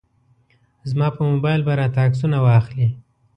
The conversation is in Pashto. زما په موبایل به راته عکسونه واخلي.